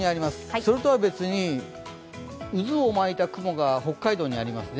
それとは別に、渦を巻いた雲が北海道にありますね。